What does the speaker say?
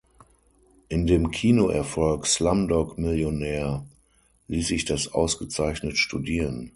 In dem Kinoerfolg "Slumdog Millionär" ließ sich das ausgezeichnet studieren.